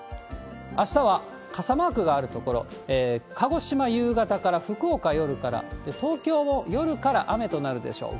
あしたは傘マークがある所、鹿児島、夕方から、福岡、夜から、東京も夜から雨となるでしょう。